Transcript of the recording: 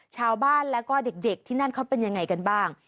ชาวบ้านแล้วก็เด็กที่นั่นเขาเป็นยังไงกันบ้าง